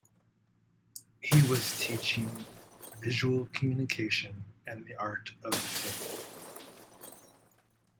He was teaching visual communication and the Art of Film.